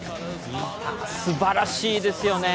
すばらしいですよね。